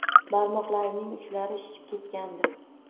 Barmoqlarining uchlari shishib ketgandi